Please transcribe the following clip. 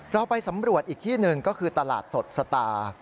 เราไปสำรวจอีกที่หนึ่งก็คือตลาดสดสตาร์